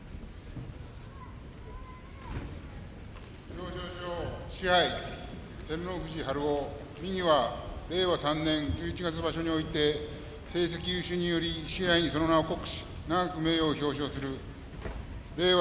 表彰状賜盃照ノ富士春雄右は令和３年十一月場所において成績優秀により賜盃に、その名を刻し永く名誉を表彰する令和